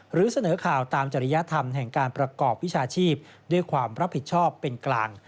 หรือเสนอข่าวตามจริยธรรมแห่งการประกอบวิชาชีพด้วยความรับผิดชอบเป็นกลาง